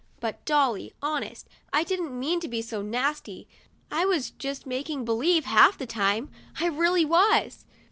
But, Dolly, honest, I didn't mean to be so nasty. I was just making believe half the time ; I really was.